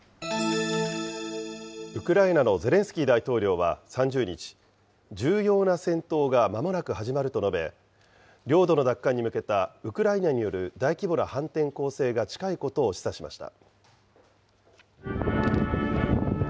ウクライナのゼレンスキー大統領は３０日、重要な戦闘がまもなく始まると述べ、領土の奪還に向けたウクライナによる大規模な反転攻勢が近いことを示唆しました。